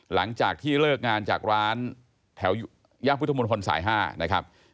หลังจากที่เลิกงานจากร้านแถวย่านพุทธมนตรสาย๕นะครับ